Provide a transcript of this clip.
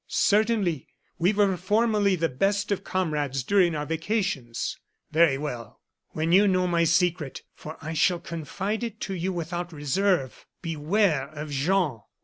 "Certainly; we were formerly the best of comrades during our vacations." "Very well. When you know my secret for I shall confide it to you without reserve beware of Jean."